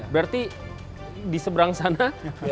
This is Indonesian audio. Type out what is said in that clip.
berarti di seberang sana